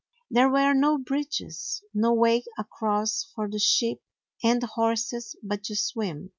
There were no bridges, no way across for the sheep and horses but to swim.